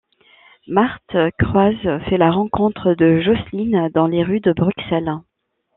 Marthe croise fait la rencontre de Jocelyne dans les rues de Bruxelles.